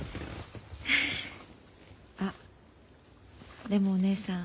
あっでもお義姉さん